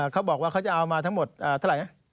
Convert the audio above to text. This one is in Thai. เขาบอกว่าเขาจะเอามาทั้งหมดเท่าไหร่นะ